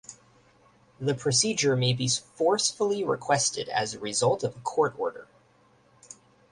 The procedure may be forcefully requested as a result of a court order.